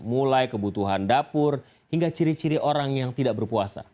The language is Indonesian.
mulai kebutuhan dapur hingga ciri ciri orang yang tidak berpuasa